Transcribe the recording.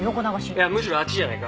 いやむしろあっちじゃないか？